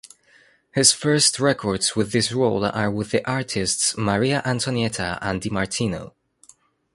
His first records with this role are with the artists Maria Antonietta and Dimartino.